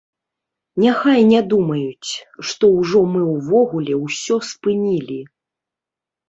Няхай не думаюць, што ўжо мы ўвогуле ўсё спынілі.